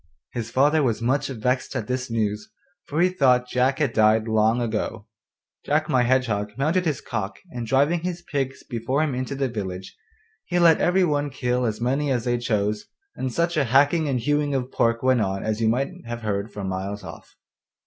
His father was much vexed at this news, for he thought Jack had died long ago. Jack my Hedgehog mounted his cock, and driving his pigs before him into the village, he let every one kill as many as they chose, and such a hacking and hewing of pork went on as you might have heard for miles off.